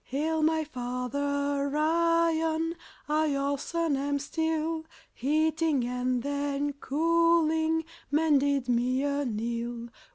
Hail, my Father Iron! I, your son, am Steel. Heating and then cooling Men did me anneal.